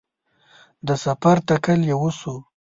د سفر تکل یې وسو